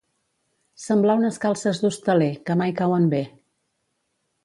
Semblar unes calces d'hostaler, que mai cauen bé.